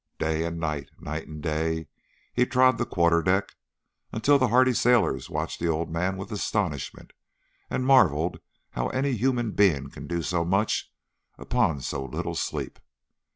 Day and night, night and day, he trod the quarter deck, until the hardy sailors watched the old man with astonishment, and marvelled how any human being could do so much upon so little sleep.